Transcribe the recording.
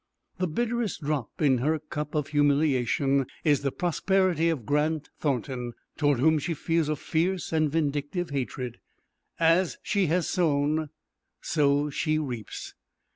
The bitterest drop in her cup of humiliation is the prosperity of Grant Thornton, toward whom she feels a fierce and vindictive hatred. As she has sown, so she reaps.